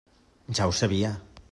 Ja ho sabia.